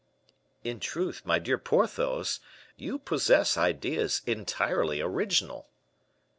"In truth, my dear Porthos, you possess ideas entirely original."